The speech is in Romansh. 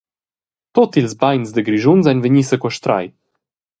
Tut ils beins da Grischuns ein vegni sequestrai.